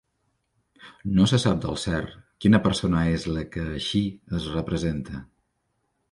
No se sap del cert quina persona és la que així es representa.